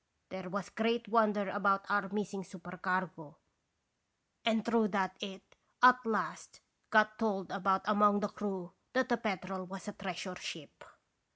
There was great wonder about our missing supercargo, and through that it at last got told about among the crew that the Petrel was a treasure ship.